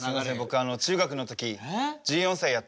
僕中学の時１４歳やったんで。